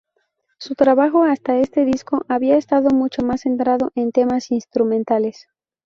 Su trabajo hasta este disco había estado mucho más centrado en temas instrumentales.